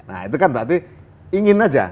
nah itu kan berarti ingin aja